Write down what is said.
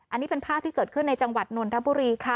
อันนี้เป็นภาพที่เกิดขึ้นในจังหวัดนนทบุรีค่ะ